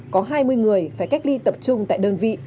có hai mươi người phải cách ly tập trung tại đơn vị